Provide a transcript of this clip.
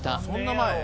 そんな前？